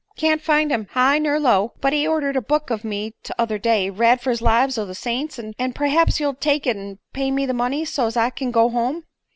"Can't find him, high ner low. But he ordered a book of me t'other day 'Radford's Lives o' the Saints' an' perhaps you'll take it an' pay me the money, so's I kin go home."